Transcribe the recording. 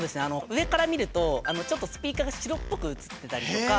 上から見るとちょっとスピーカーが白っぽく写ってたりとか。